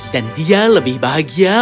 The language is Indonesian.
dan dia lebih bahagia untuk berbicara